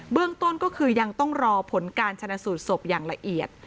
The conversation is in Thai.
เรื่องต้นก็คือยังต้องรอผลการชนะสูตรศพอย่างละเอียด